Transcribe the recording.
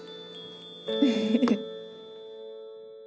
フフフッ。